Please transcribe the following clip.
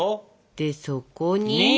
でそこに。